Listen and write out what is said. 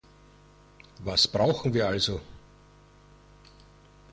Was brauchen wir also?